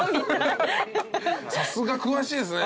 さすが詳しいですね。